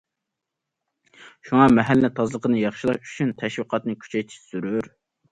شۇڭا مەھەللە تازىلىقىنى ياخشىلاش ئۈچۈن، تەشۋىقاتنى كۈچەيتىش زۆرۈر.